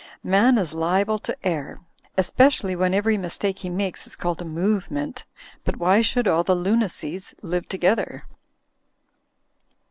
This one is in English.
Man is liable to err — especially when every mistake he makes is called a movement — but why should all the lunacies live together?"